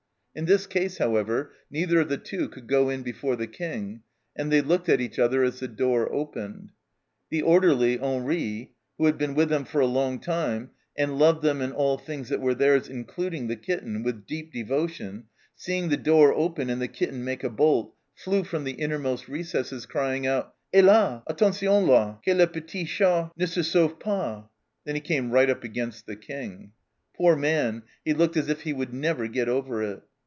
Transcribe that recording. In this case, however, neither of the Two could go in before the King, and they looked at each other as the door opened. The orderly, Henri, who had been with them for a long time, and loved them and all things that were theirs, including the kitten, with deep devotion, seeing the door open and the kitten make a bolt, flew from the innermost recesses, crying out :" H^las ! Attention la, que le petit chat ne se sauve pas !" Thus he came right up against the King ! Poor man, he looked as if he would never get over it